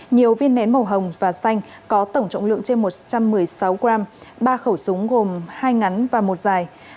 nhiều viên nén màu hồng và xanh có tổng trọng lượng trên một trăm một mươi sáu g ba khẩu súng gồm hai ngắn và một dài